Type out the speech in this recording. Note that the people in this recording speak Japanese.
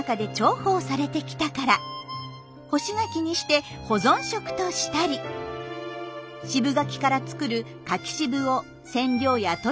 干し柿にして保存食としたり渋柿から作る柿渋を染料や塗料として利用したり。